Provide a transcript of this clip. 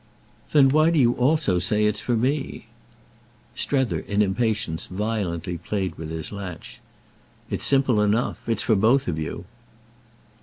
"Then why do you also say it's for me?" Strether, in impatience, violently played with his latch. "It's simple enough. It's for both of you."